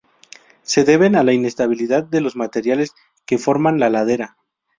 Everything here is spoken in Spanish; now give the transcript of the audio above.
Se deben a la inestabilidad de los materiales que forman la ladera.